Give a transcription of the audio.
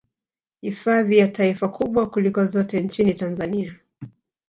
Hifadhi ya taifa kubwa kuliko zote nchini Tanzania